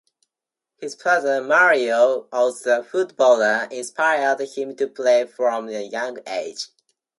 His father, Mario, also a footballer, inspired him to play from a young age.